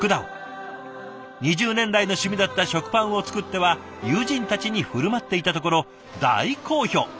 ２０年来の趣味だった食パンを作っては友人たちに振る舞っていたところ大好評。